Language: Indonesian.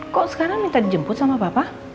kok sekarang minta dijemput sama bapak